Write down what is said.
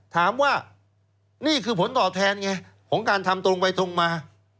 ถามว่านี่คือผลตอบแทนไงของการทำตรงไปตรงมา